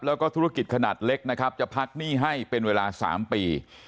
แล้วก็ธุรกิจขนาดเล็กนะครับจะพักหนี้ให้เป็นเวลา๓ปี